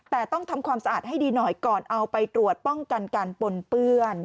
แต่ต้องทำความสะอาดให้ดีหน่อยก่อนเอาไปตรวจป้องกันการปนเปื้อน